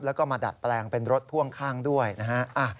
แล้วก็มาดัดแปลงเป็นรถพ่วงข้างด้วยนะฮะ